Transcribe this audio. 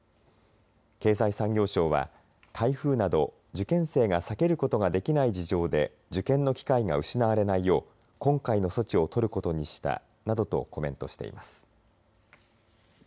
経済産業省は台風など、受験生が避けることができない事情で受験の機会が失われないよう今回の措置をとることにしたなどとコメントしています。